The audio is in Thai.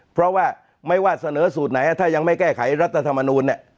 เพราะว่าไม่ว่าเสนอสูตรไหนถ้ายังไม่แก้ไขรัฐธรรมนูลเนี่ย